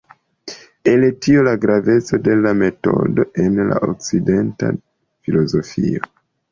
El tio la graveco de la metodo en la okcidenta filozofio.